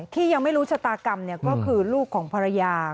ที่ยังไม่รู้ชะตากรรมก็คือลูกของภรรยา